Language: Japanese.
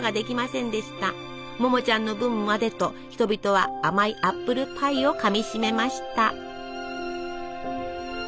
ももちゃんの分までと人々は甘いアップルパイをかみしめました。